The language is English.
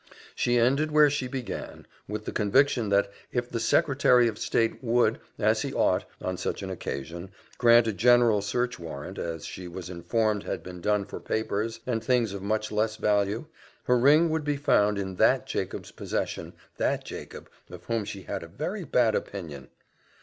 She ended where she began, with the conviction that, if the secretary of state would, as he ought, on such an occasion, grant a general search warrant, as she was informed had been done for papers, and things of much less value, her ring would be found in that Jacob's possession that Jacob, of whom she had a very bad opinion!